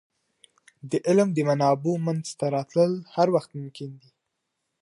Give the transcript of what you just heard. د علم د منابعو منځته راتلل هر وخت ممکن دی.